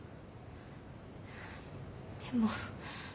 でも。